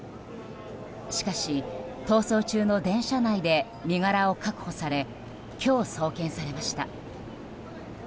しかし、逃走中の電車内で身柄を確保され今日、送検されました。